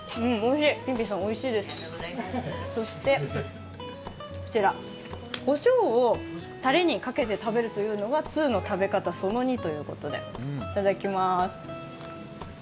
うん、おいしい、そしてこちらこしょうをタレにかけて食べるというのが通の食べ方、その２ということで、いただきます。